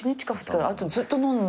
あとずっと飲ん。